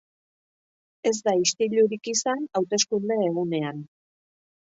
Ez da istilurik izan hauteskunde-egunean.